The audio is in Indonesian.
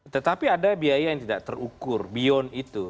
tetapi ada biaya yang tidak terukur beyond itu